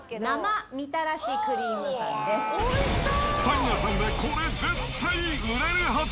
パン屋さんでこれ、絶対売れるはず。